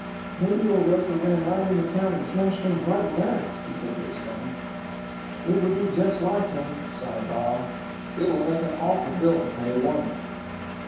"Maybe old Rusher ran right into town and smashed things right and left," he said to his friend. "It would be just like him," sighed Bob. "It will make an awful bill to pay, won't it?"